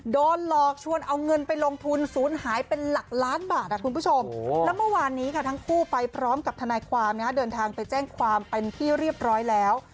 โดนหลอกชวนเอาเงินไปลงทุนศูนย์หายเป็นหลักล้านบาทคุณผู้ชมแล้วเมื่อวานนี้ค่ะทั้งคู่ไปพร้อมกับทนายความเดินทางไปแจ้งความเป็นที่เรียบร้อยแล้ว